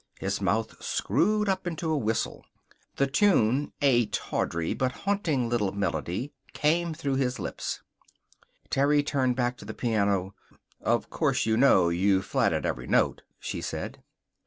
His mouth screwed up into a whistle. The tune a tawdry but haunting little melody came through his lips. Terry turned back to the piano. "Of course you know you flatted every note," she said.